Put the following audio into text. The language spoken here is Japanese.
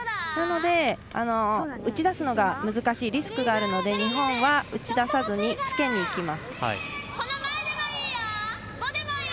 なので、打ち出すのが難しいリスクがあるので日本は打ち出さずにつけにいきます。